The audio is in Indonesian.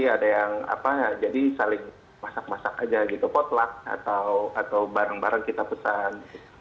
ada yang apa ya jadi saling masak masak aja gitu potlak atau barang barang kita pesan